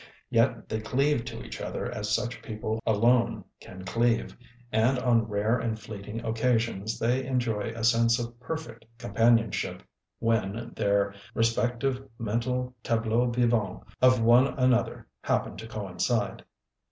Yet they cleave to each other as such people alone can cleave, and on rare and fleeting occasions, they enjoy a sense of perfect companionship "when their respective mental tableaux vivants of one another happen to coincide."